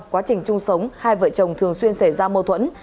quá trình chung sống hai vợ chồng thường xuyên xảy ra mâu thuẫn